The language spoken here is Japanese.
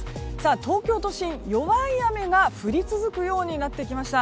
東京都心、弱い雨が降り続くようになってきました。